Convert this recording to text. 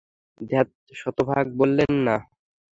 ধ্যাত, শতভাগ বলবেন না!